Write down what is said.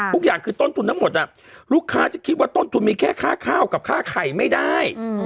ทุกอย่างคือต้นทุนทั้งหมดลูกค้าจะคิดว่าต้นทุนมีแค่ค่าข้าวกับค่าไข่ไม่ได้